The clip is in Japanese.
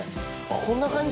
こんな感じ？